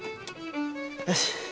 よし。